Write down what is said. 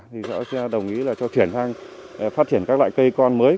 thì chúng tôi đồng ý cho chuyển sang phát triển các loại cây con mới